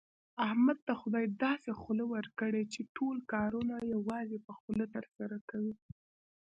احمد ته خدای داسې خوله ورکړې، چې ټول کارونه یوازې په خوله ترسره کوي.